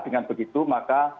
dengan begitu maka